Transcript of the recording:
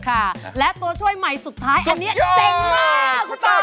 ค่ะและตัวช่วยใหม่สุดท้ายอันนี้เจ๋งมากคุณป่า